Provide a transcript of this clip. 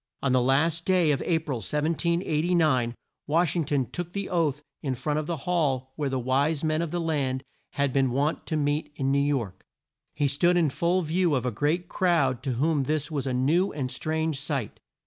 On the last day of A pril, 1789, Wash ing ton took the oath in front of the hall where the wise men of the land had been wont to meet in New York. He stood in full view of a great crowd to whom this was a new and strange sight.